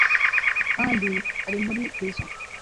kandi ari muri prison